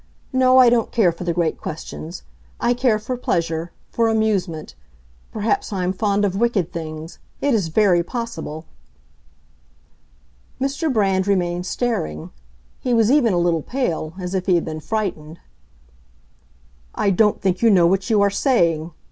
No, I don't care for the great questions. I care for pleasure—for amusement. Perhaps I am fond of wicked things; it is very possible!" Mr. Brand remained staring; he was even a little pale, as if he had been frightened. "I don't think you know what you are saying!"